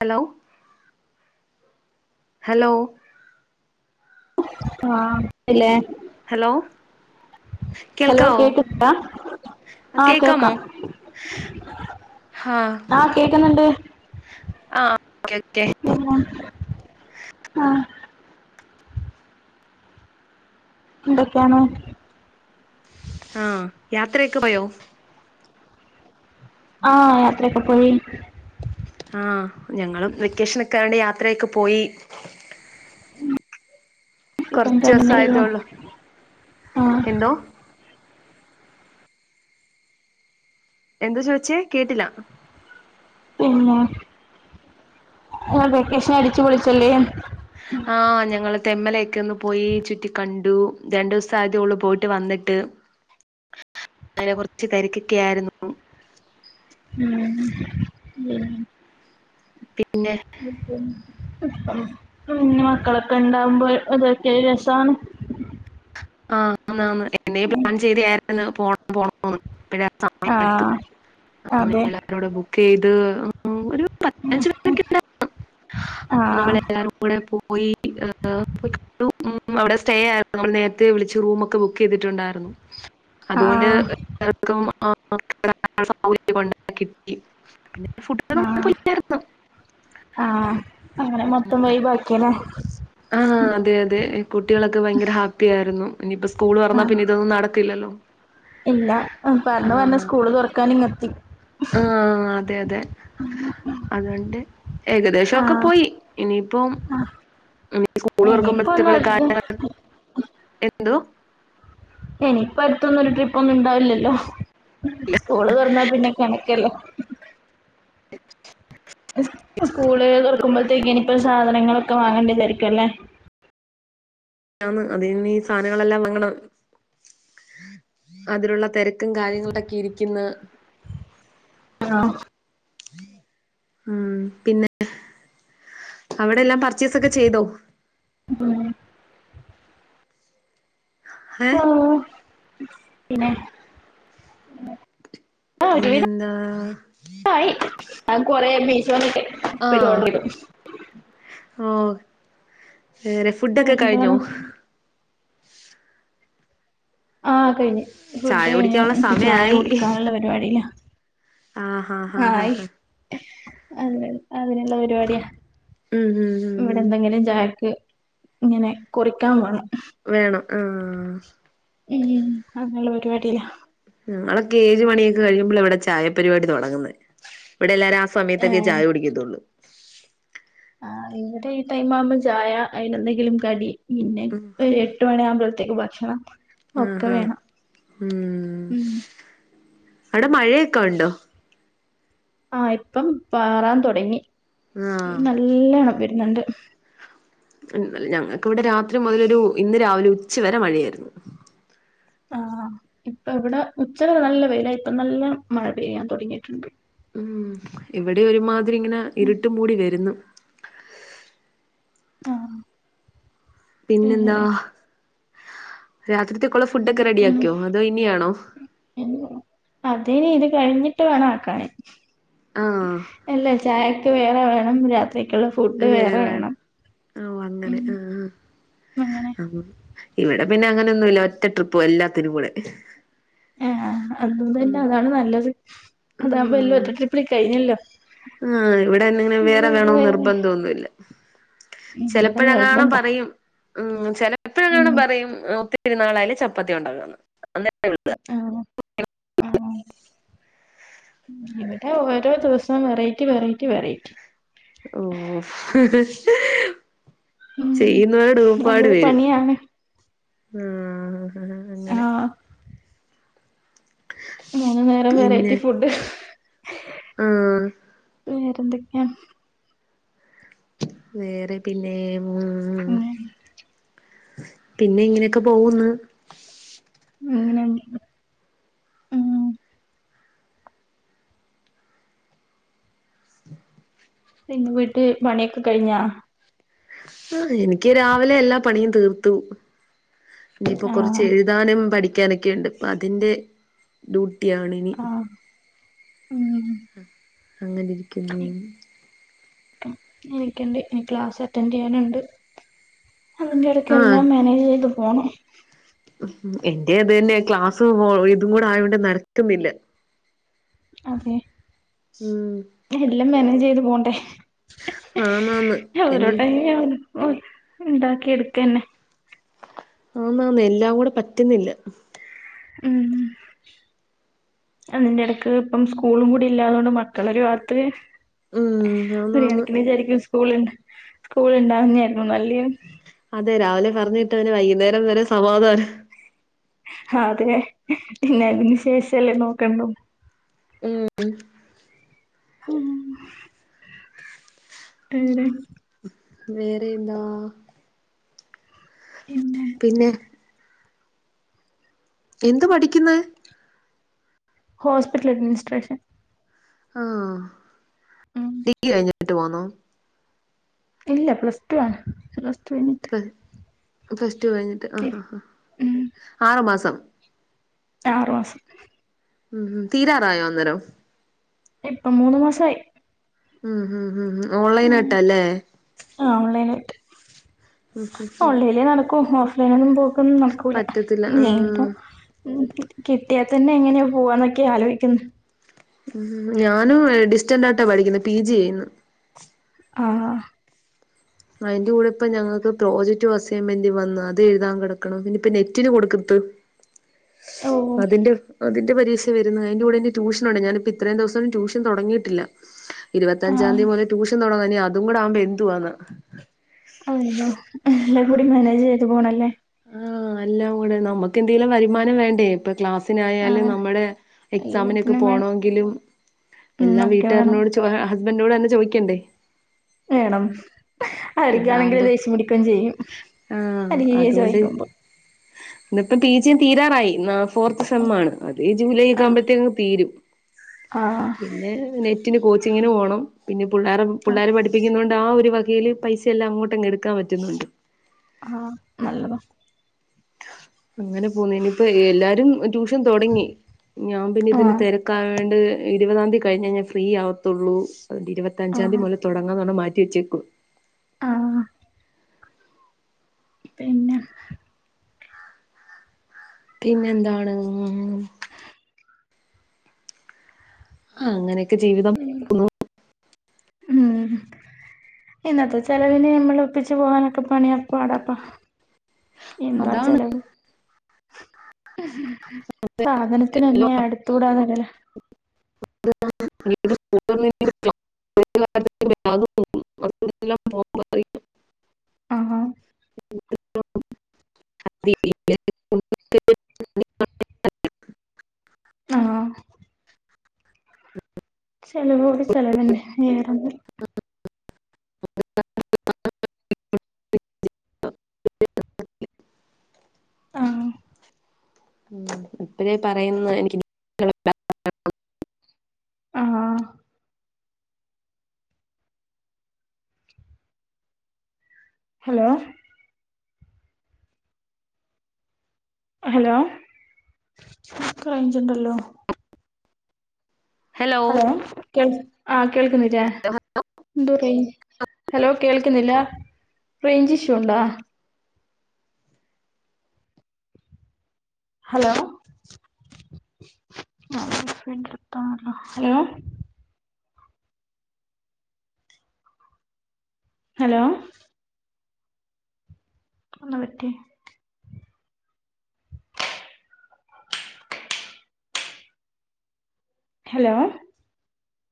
Hello hello ആഹ് ല്ലേ hello കേൾക്കാവോ? കേക്കുന്നുണ്ടാ ആഹ് കേൾക്കാമോ? കേൾക്കാം ഹാ ആഹ് കേക്കുന്നുണ്ട് ആഹ് ഓക്കേ ഓക്കേ ഗുഡ് മോൺ ആഹ് എന്തൊക്കെയാണോ? ആഹ് യാത്രയൊക്കെ പോയോ? ആഹ് യാത്രയൊക്കെ പോയി. ആഹ് ഞങ്ങളും വെക്കേഷനൊക്കെ ആയോണ്ട് യാത്രയൊക്കെ പോയി. കൊറച്ച് ദിവസായതേള്ളു [unintelligible] ആഹ് എന്തോ എന്താ ചോയ്ച്ചേ കേട്ടില്ല? പിന്നെ ആ വെക്കേഷന് അടിച്ചു പൊളിച്ചല്ലേ? ആഹ് ഞങ്ങള് തെമ്മലൊക്കെ ഒന്ന് പോയി ചുറ്റി കണ്ടു രണ്ടു ദിവസം ആയിട്ടെ ഒള്ളു പോയിട്ട് വന്നിട്ട് അങ്ങനെ കൊറച്ച് തെരക്കൊക്കെ ആയിരുന്നു ഉം പിന്നെ പിന്നെ അങ്ങനെ പോന്നു മക്കളൊക്കെ ഇണ്ടാവുമ്പോ അതൊക്കെ ഒരു രസമാണ് ആഹ് ആന്ന് ആന്ന് എന്നേ പ്ലാൻ ചെയ്തായിന്ന് പോണം പോണംന്ന് ഇപ്പഴാണ് സമയം അട്ത്തെങ്ങന ആഹ് അതെ എന്നിട്ടവ്ടെ. ബുക്ക് ചെയ്ത് ഒരു പത്ത് പതിനഞ്ച് മിനിറ്റൊക്കെ ഉണ്ടായിരുന്നൊള്ളു അത് ആഹ് നമ്മളെല്ലാ രും കൂടെ പോയി ഏഹ് പോയി കണ്ടു അവിടെ സ്റ്റേ ആയിരുന്നു നമ്മള് നേര ത്തെ വിളച്ച് റൂമൊക്കെ ബുക്ക് ചെയ്തിട്ടുണ്ടായിരുന്നു അതുകൊണ്ട് ആഹ് എല്ലാർക്കും [unintelligible] ആഹ് ആഹ് അങ്ങനെ മൊത്തം വൈബാക്കിയല്ലേ? ആഹ് അതെ അതെ കുട്ടികളൊക്കെ ഭയങ്കര ഹാപ്പി ആയിരുന്നു ഇനിയിപ്പോ സ്കൂള് തൊറന്നാ ആഹ് പിന്നെ ഇതൊന്നും നടക്കില്ലല്ലോ ഇല്ല ആ പറഞ്ഞു പറഞ് സ്കൂള് തൊറക്കാനിങ്ങത്തി ആഹ് അതെ അതെ അതുകൊണ്ട് ഏകദേശവൊക്കെ ആഹ് പോയി ഇനിയിപ്പം ആഹ് ഇനി സ്കൂൾ ഇനിയിപ്പോ ഒന്ന് തൊറക്കുമ്പഴത്തേക്കുള്ള അടുത്ത് കാര്യങ്ങൾ എന്തോ? എനി ഇപ്പോ അടുത്തൊന്നും ഒരു ട്രിപ്പൊന്നും ഇണ്ടാവില്ലല്ലോ സ്കൂള് തൊറന്നാ പിന്നെ കണക്കല്ലോ സ്കൂള് തൊറക്കുമ്പോഴത്തേക്ക് ഇനിയിപ്പോ സാധനങ്ങളൊക്കെ വാങ്ങേണ്ട തെരക്കല്ലേ? ആന്ന് അത് നിനി ഈ സാധനങ്ങളെല്ലാം വാങ്ങണം അതിലുള്ള തെരക്കും കാര്യങ്ങളൊക്കെ ഇരിക്കുന്ന് ആഹ് ഉം പിന്നെ അവിടെ എല്ലാം പർച്ചേസൊക്കെ ചെയ്തോ? ഉം ഏ ആഹ് പിന്നെ ആഹ് ഒരു പിന്നെന്താ വിധക്കായി ഞാൻ കൊറേ മീശോന്നൊക്കെ ഇപ്പഴും ആഹ് ഓർഡർ ചെയ്തു ഓഹ് വേറെ ഫുഡൊക്കെ കഴിഞ്ഞോ? വേറെന്താണ് ആഹ് കഴിഞ് ഫുഡ് ചായ കഴിഞ്ഞു കുടിക്കാനുള്ള ഇഞ്ഞ്പ്പ ചായ സമയായി കുടിക്കാനുള്ള പരിപാടിയിലാ ആഹ് ഹാ ആ ഹാ ഹാ അങ്ങനെ അതിനുള്ള പരിപാടിയാ ഉം ഉം ഉം ഇവിടെ എന്തെങ്കിലും ചായക്ക് ഇങ്ങനെ കുറിക്കാൻ വേണം വേണം ആഹ് ഉംഹ് അങ്ങനുള്ള പരിപാടിയിലാ ഞങ്ങളൊക്കെ ഏഴ് മണിയൊക്കെ കഴിയുമ്പഴാ ഇവിടെ ചായപരിപാടി തൊടങ്ങുന്നേ ഇവിടെ എല്ലാരു ആ സമയത്തൊക്കെ ഏഹ് ചായ കുടിക്കത്തൊള്ളൂ ആഹ് ഇവിടെ ഈ ടൈമാവുമ്പോ ചായ അയിന് എന്തെങ്കിലും കടി പിന്നെ ഒരെട്ട് മണിയാമ്പോളത്തേക്ക് ഭക്ഷണം ഒക്കെ ആഹ് ആഹ് വേണം ഉം ഉംഹ് അവിടെ മഴയെക്കെ ഉണ്ടോ? ആഹ് ഇപ്പം പാറാൻ തൊടങ്ങി ആഹ് നല്ല നല്ലണം വെരുന്ന്ണ്ട് ഇന്നലെ ഞങ്ങക്കിവിടെ രാത്രി മുതലൊരു ഇന്ന് രാവിലെ ഉച്ച വരെ മഴയായിരുന്നു ആഹ് ഇപ്പൊ വിടെ ഉച്ചവരെ നല്ല വെയിലായ് ഇപ്പൊ നല്ല മഴ പെയ്യാ തൊടങ്ങിട്ടുണ്ട്. ഉം ഇവിടൊരുമാതിരി ഇങ്ങനെ ഉം ഇരുട്ട് മൂടി വെരുന്നു. ആഹ് പിന്നെന്താ? വേറെ രാത്രിത്തേക്കുള്ള ഫുഡൊക്കെ റെഡിയാക്കിയോ? അതോ ഇനിയാണോ? അത് ഇത് കഴിഞ്ഞിട്ട് വേണാ ക്കാൻ. ആഹ് അല്ല ചായക്ക് വേറെ വേണം രാത്രിയേക്കുള്ള ഫു ഡ് വേറെ വേണം ഓഹ് അങ്ങനെ ഉം ആഹ് അങ്ങനെ ആ ഇവിടെ പിന്നെ അങ്ങനൊന്നുല്ല ഒറ്റ ട്രിപ്പും എല്ലാത്തിനുകൂടെ. ഏഹ് അതും തന്നെ അതാണ് നല്ലത് ആഹ് അതാകുമ്പെല്ലൊറ്റ ട്രിപ്പ്ല് കഴിഞ്ഞല്ലോ. ആഹ് ഇവിടെന്നെങ്ങനെ വേറെ വേണോ നിർബ്ബന്തൊന്നുല്ല. ഇവിടെ ചെലപ്പോഴങ്ങാണും പറയും ഉം ചെലപ്പ ഊം പറയും നമുക്കിത്തിരിനാളായില്ലേ ചപ്പാത്തി ഒണ്ടാക്കാ ന്ന് [unintelligible] ആണോ ആണോ? ഇവിടെ ഓരോ ദിവസം വെറൈറ്റി വെറൈറ്റി വെറൈറ്റി. ഓഹ് ഉം ചെയ്യുന്നവരുടെ ഊപാട് അതൊരു വെരും. പണിയാണ് ആഹ് ആഹ് മൂന്നുനേരം വെറൈറ്റി ഫുഡ് ആഹ് വേറെന്തൊക്കയാ? വേറെ പിന്നെ ഉം ഉം ഉം പിന്നെ പിന്നെ ഇങ്ങനെയൊക്കെ പോക്ന്ന്. ഇങ്ങനെ ഉം പിന്നെ വീട്ട് പണിയൊക്കെ കയിഞ്ഞാ? ആഹ് എനിക്ക് രാവിലെ എല്ലാ പണിയും തീർത്തു. ഇനിയിപ്പോ ആഹ് കൊർച്ചെഴു താനും പഠിക്കാനൊക്കെയുണ്ട്. പ്പഅതിൻ്റെ ഡ്യൂട്ടിയാണിനി. ഉംഹ് അങ്ങനിരിക്കുന്നു. എനിക്ക്ണ്ട് എനി ക്ലാസ റ്റൻ്റയ്യാന്ണ്ട്. അയിന്റെടക്ക് ആ എല്ലാം മാനേജ് ചെയ്ത് പോണം. എന്റെ അത്‌ എന്നെ ക്ലാസ്സു ഹൊ ഇതും കൂടായതൊണ്ട് നടക്കുന്നില്ല. അതെ ഉം എല്ലം മേനേജ്യ്ത് പോണ്ടേ ആന്നാന്ന് ഇനി അവരോട്ട [unintelligible] ഒഹ് ണ്ടാക്കിയെടുക്കന്നെ. ആന്നാന്ന് എല്ലാം കൂടെ പറ്റ്ന്നില്ല. ഊം അതിന്റെടക്ക് പ്പം സ്കൂളും കൂടി ഇല്ലാതോണ്ട് മക്കളൊരു വാത്ത് ഉം ഒരു ആന്നാന്ന് കണക്ക്ന് വിചാരിക്കും സ്കൂൾണ്ട സ്കൂള്ണ്ടാവുന്നെ ആരുന്നു നല്ലേന്. അതെ രാവിലെ പറഞ്ഞ് വിട്ടാ വൈകുന്നേരം വരെ സമാധാന ഹാ അതെ പിന്നെ അതിന് ശേഷല്ലേ നോക്കണ്ടു. ഉം ഉം ഹും [unintelligible] വേറെ എന്താ ഇൻ പിന്നെ എന്ത് പഠിക്കുന്നഹ് ഹോസ്പിറ്റൽ അഡ്മിനിസ്ട്രേഷൻ ആഹ് ഉം ഡിഗ്രി കഴിഞ്ഞിട്ട് പോന്നോ ഇല്ല പ്ലസ് ടു ആണ് [unintelligible] പ്ല പ്ലസ് ടു കഴിഞ്ഞിട്ട് ആഹ് ഇ- ആഹ് ആഹ് ഉം ആറ് മാസം ആറ് മാസം ഉം ഉം തീരാറായോ അന്നേരം ഇപ്പം മൂന്ന് മാസായി ഉം ഉം ഉം ഓൺലൈൻ ആയിട്ടാല്ലേ ആഹ് ഓൺലൈനായിട്ട് ഉം ഉം ഓൺലൈനിലേ നടക്കൂ ഓഫ് നേരം പോക്കൊന്നും നടക്കൂല പറ്റത്തില്ല ഇല്ലേപ്പോ ആഹ് ഉം കിട്ടിയാത്തന്നെ എങ്ങനെയാ പോവാന്നൊക്കെയാ ആലോയ്ക്കുന്നേ ഉം ഞാനും ഡിസ്റ്റന്റ് ആയിട്ടാ പഠിക്കുന്നേ പി ജി ചെയ്യുന്ന് ആഹ് അയിന്റുടെ ഇപ്പൊ ഞങ്ങൾക്ക് പ്രോജക്റ്റ് അസൈൻമെന്റും വന്ന്‌ അത് എഴുതാൻ കിടക്കണ് ഇനി പിന്നെ ഇപ്പ നെറ്റിന് കൊടുക്കത്ത് ഓ അതിന്റെ അതിന്റെ പരീക്ഷ വരുന്ന് അതിന്റെ കൂടെ ട്യൂഷനൊണ്ട് ആഹ് ഞാനിപ്പ ഇത്രയും ദിവസം ട്യൂഷൻ തൊടങ്ങിയിട്ടില്ല ഇരുപത്തഞ്ചാംന്തി ആഹ് മുതല് ട്യൂഷൻ തുടങ്ങാ ഇനി അതും കൂടാവുമ്പോ എന്തുവാന്ന് അയ്യോ എല്ലാം കൂടി മാനേജ്യ്തു പോണല്ലേ ആഹ് അല്ലാം കൂടെ നമ്മക്കെന്തേലും വരുമാനം വേണ്ടേ ഇപ്പൊ ക്ലാസ്സിനായാലും ആഹ് നമ്മുടെ എക്സാമിനൊക്കെ എല്ലാത്തിനും വേണം പോണോങ്കിലും ഉം എല്ലാം ഒക്കെ വേണം വീട്ടുകാരനോട് ചോ ഹസ്ബൻഡോട് തന്നെ ചോദിക്കണ്ടേ വേണം ആർക്കാണെങ്കിലി ഇതാകുമ്പോ ദേഷ്യം പിടിക്കേം ചെയ്യും ആഹ് അല്ലെങ്കി ചോയ്ക്കുമ്പോ ഇന്നപ്പം പി ജിയും തീരാറായി ന്നാ ഫോർത്ത് സെം ഉം ആണ് അതേ ജൂലൈ ഒക്കെ ആഹ് ആുമ്പഴത്തേക്കങ്ങ് തീരും ആഹ് പിന്നെ നെറ്റിന് കോച്ചിങ്ങിന് പോണം പിന്നെ പിള്ളേരെ ആഹ് പിള്ളേരെ പഠിപ്പിക്കുന്നോണ്ട് ആഹ് ഒരു വകേല് പൈസെല്ലാം അങ്ങോട്ടുംങ് എടുക്കൻ പറ്റുന്നുണ്ട് ആഹ് നല്ലത അങ്ങനെ പോന്നേനിപ്പ എല്ലാരും ട്യൂഷൻ തുടങ്ങി ഞാൻ പിന്നെ ഇതിന്റെ ആഹ് തിരക്കാ ണ്ട് ഇരുവതാന്തി കഴിഞ്ഞ ഞാൻ ഫ്രീ ആവത്തുള്ളൂ അഹ് ഇരുപത്തഞ്ചാന്തി ആഹ് മുതല് തുടങ്ങാന്ന്ണം മാറ്റിവെച്ചേകു ആഹ് പിന്നെ പിന്നെന്താണ് അങ്ങനെയൊക്കെ ജീവിതം ന്നു ഉം ഇന്നത്തെ ചെിലവിന് നമ്മള ഒപ്പിച്ച് പോകാനൊക്കെ പണിയ പാടപ്പ എന്താ അതാണ് ചെലവ് സാധനത്തിനെന്നേ അടുത്തുകൂടാന്നല്ല [unintelligible] [unintelligible] അഹ് ഹാ [unintelligible] ആഹ് ചെലവോട് ചെലവെന്നെ. വേറെന്ത്. [unintelligible] ആഹ് ഉം അപ്പഴേ പറയുന്ന് എനിക്ക് [unintelligible] ആഹ് ഹലോ ഹലോ. ഇൻക് റേഞ്ച്ണ്ടല്ലോ. ഹലോ കേൾ ആഹ് കേൾക്കുന്നില്ലേ എന്തൊ റേയ് ഹലോ കേൾക്കുന്നില്ലാ. റേഞ്ച് ഇഷ്യൂ ണ്ടോ? ഹലോ [unintelligible] ഹലോ ഹലോ അന്ന പറ്റ്യെ ഹലോ